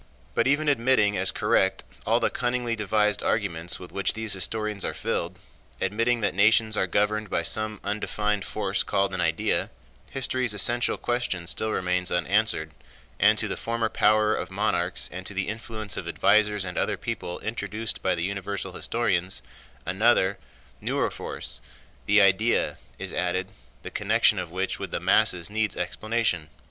But even admitting as correct all the cunningly devised arguments with which these histories are filled—admitting that nations are governed by some undefined force called an idea—history's essential question still remains unanswered, and to the former power of monarchs and to the influence of advisers and other people introduced by the universal historians, another, newer force—the idea—is added, the connection of which with the masses needs explanation.